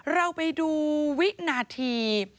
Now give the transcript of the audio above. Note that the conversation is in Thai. เราไปดูวินาที